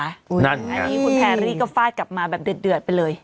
อันนี้คุณแพรรี่ก็ฟาดกลับมาแบบเดือดไปเลย